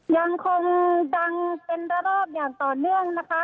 ยังคงดังเป็นระรอบอย่างต่อเนื่องนะคะ